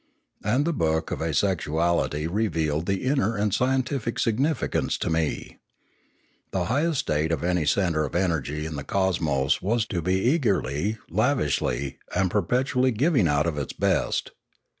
And the book of Asexuality revealed the inner and scientific significance to me. The highest state of any ceutre of energy in the cosmos was to be eagerly, lavishly, and perpetually giving out of its best.